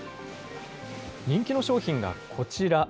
人気の商品がこちら。